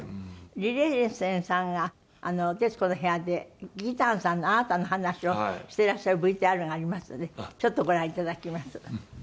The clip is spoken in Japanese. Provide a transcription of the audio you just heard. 李麗仙さんが『徹子の部屋』で義丹さんのあなたの話をしていらっしゃるＶＴＲがありますのでちょっとご覧いただきます。